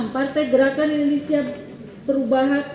enam partai gerakan perubahan indonesia